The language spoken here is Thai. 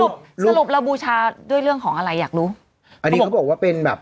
สรุปสรุปเราบูชาด้วยเรื่องของอะไรอยากรู้อันนี้เขาบอกว่าเป็นแบบ